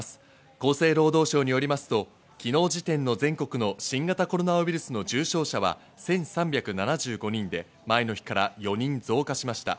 厚生労働省によりますと、昨日時点の全国の新型コロナウイルスの重症者は１３７５人で前の日から４人増加しました。